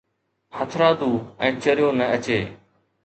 هٿرادو ۽ چريو نه اچي؟